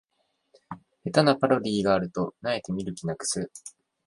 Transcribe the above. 下手なパロディがあると萎えて見る気なくす